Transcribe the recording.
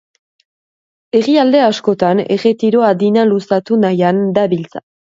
Herrialde askotan erretiro adina luzatu nahian dabiltza.